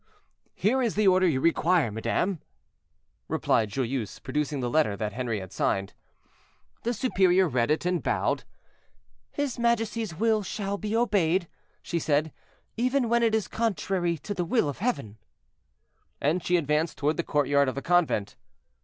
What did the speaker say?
"Here is the order you require, madame," replied Joyeuse, producing the letter that Henri had signed. The superior read it and bowed. "His majesty's will shall be obeyed," she said, "even when it is contrary to the will of Heaven." And she advanced toward the courtyard of the convent.